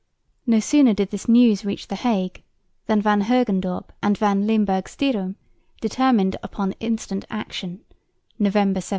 No sooner did this news reach the Hague than Van Hogendorp and Van Limburg Stirum determined upon instant action (November 17).